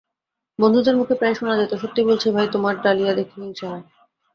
বন্ধুদের মুখে প্রায় শোনা যেত—সত্যি বলছি ভাই, তোমার ডালিয়া দেখে হিংসে হয়।